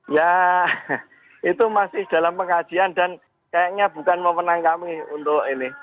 ya itu masih dalam pengajian dan kayaknya bukan memenang kami untuk ini